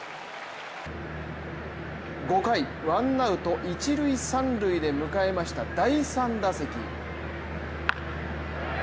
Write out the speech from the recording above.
５回、ワンアウト一・三塁で迎えました第３打席。